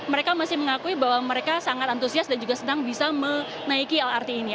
mereka masih mengakui bahwa mereka sangat antusias dan juga senang bisa menaiki lrt ini